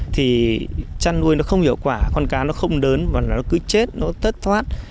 thì chăn nuôi nó không hiệu quả con cá nó không đớn và nó cứ chết nó tất thoát